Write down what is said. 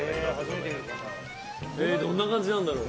どんな感じなんだろう。